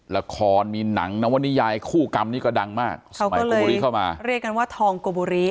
ละครมีหนังนวนิยายคู่กรรมนี่ก็ดังมากเขาก็โกบุรีเข้ามาเรียกกันว่าทองโกบุรี